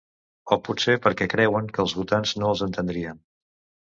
O potser perquè creuen que els votants no els entendrien.